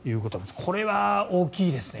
これは大きいですね。